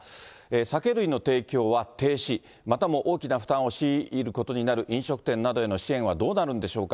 酒類の提供は停止、またも大きな負担を強いることになる飲食店などへの支援はどうなるんでしょうか。